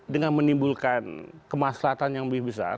dengan menimbulkan kemaslahatan yang lebih besar